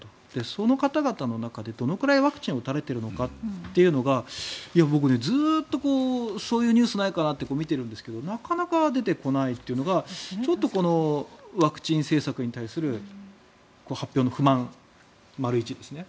その方々の中でどのくらいワクチンを打たれているのかというのが僕、ずっとそういうニュースないかなと見ているんですがなかなか出てこないというのがちょっとこのワクチン政策に対する発表の不満、丸１ですね。